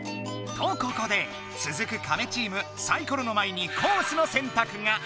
とここでつづくカメチームサイコロの前にコースのせんたくが！